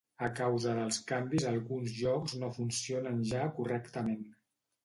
A causa dels canvis alguns jocs no funcionen ja correctament.